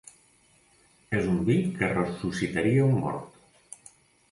És un vi que ressuscitaria un mort.